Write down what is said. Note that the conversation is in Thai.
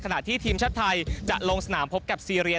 ขณะที่ทีมชาติไทยจะลงสนามพบกับซีเรีย